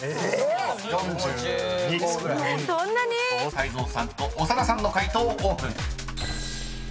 ［泰造さんと長田さんの解答オープン］